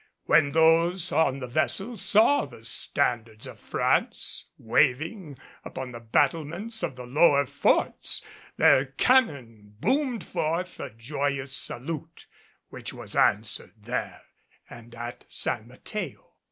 When those on the vessels saw the standards of France waving upon the battlements of the lower forts, their cannon boomed forth a joyous salute which was answered there and at San Mateo.